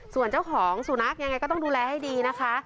ส่วนเจ้าของสุนัขยังไงก็ต้องดูแลให้ดีนะคะ